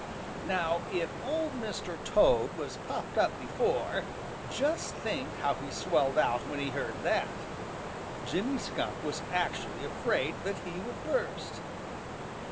Now if Old Mr. Toad was puffed up before, just think how he swelled out when he heard that. Jimmy Skunk was actually afraid that he would burst.